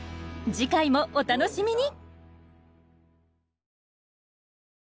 次回もお楽しみに。